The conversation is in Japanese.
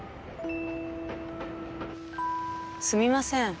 「すみません。